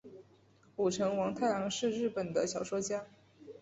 舞城王太郎是日本的小说家。